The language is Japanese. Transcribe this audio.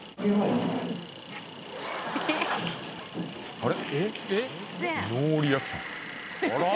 あれ？